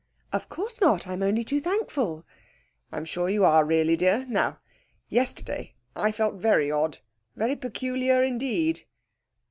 'Of course not; I'm only too thankful.' 'I'm sure you are really, dear. Now yesterday I felt very odd, very peculiar indeed.'